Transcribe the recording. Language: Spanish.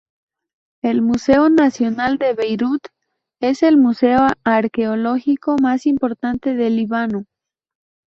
El Museo Nacional de Beirut es el museo arqueológico más importante del Líbano.